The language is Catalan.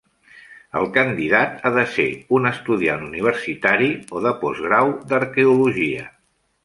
El candidat ha de ser un estudiant universitari o de postgrau d'arqueologia.